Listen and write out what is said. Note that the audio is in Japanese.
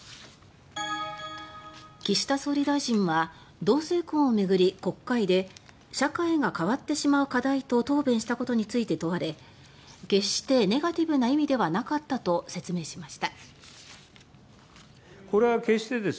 岸田総理大臣は同性婚を巡り、国会で社会が変わってしまう課題と答弁したことについて問われ決してネガティブな意味ではなかったと説明しました。